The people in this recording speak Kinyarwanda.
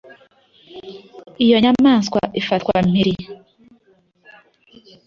Iyo nyamaswa ifatwa mpiri,